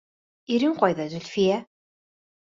— Ирең ҡайҙа, Зөлфиә?